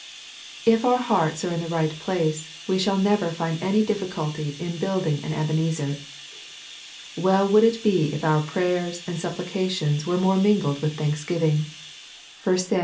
If our hearts are in the right place, we shall never find any difficulty in huilding an Ebenezer. Well would it be if our prayers and supplications were more mingled with thanksgiving. (1 Sam.